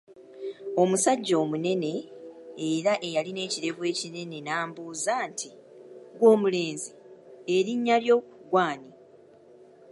Omusajja omunene era eyalina ekirevu ekinene n'ambuuza nti, ggwe omulenzi, erinnya lyo ggwe ani?